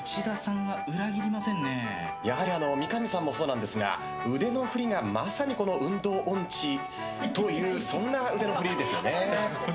やはり三上さんもそうですが腕の振りがまさに運動音痴というそんな腕の振りですね。